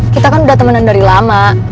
kita kan udah temenan dari lama